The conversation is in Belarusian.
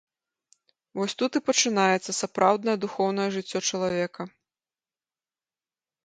Вось тут і пачынаецца сапраўднае духоўнае жыццё чалавека.